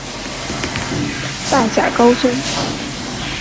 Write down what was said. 大甲高中